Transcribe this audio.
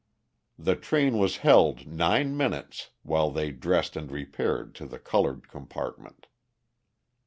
The train was held nine minutes while they dressed and repaired to the coloured compartment.